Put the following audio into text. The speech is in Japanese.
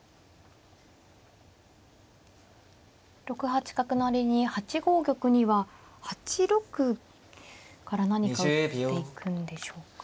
６八角成に８五玉には８六から何か打っていくんでしょうか。